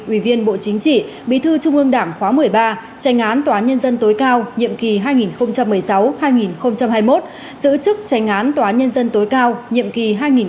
ủy viên bộ chính trị bí thư trung ương đảng khóa một mươi ba tranh án tòa án nhân dân tối cao nhiệm kỳ hai nghìn một mươi sáu hai nghìn hai mươi một giữ chức tranh án tòa nhân dân tối cao nhiệm kỳ hai nghìn một mươi sáu hai nghìn hai mươi một